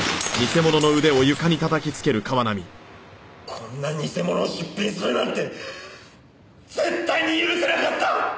こんな偽物を出品するなんて絶対に許せなかった！